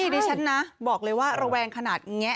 ดิฉันนะบอกเลยว่าระแวงขนาดนี้